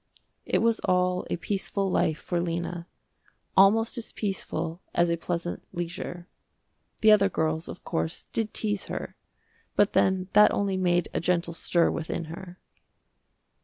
It was all a peaceful life for Lena, almost as peaceful as a pleasant leisure. The other girls, of course, did tease her, but then that only made a gentle stir within her.